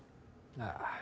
ああ。